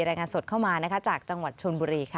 รายงานสดเข้ามาจากจังหวัดชนบุรีค่ะ